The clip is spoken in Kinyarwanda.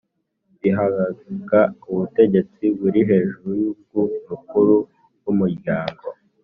bihaga ubutegetsi buri hejuru y' ubw' umukuru w' umuryango,